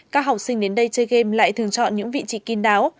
các học sinh đến đây chơi game lại thường chọn những vị trí kiên đáo